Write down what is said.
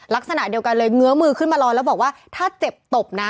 ลักษณะเดียวกันเลยเงื้อมือขึ้นมารอแล้วบอกว่าถ้าเจ็บตบนะ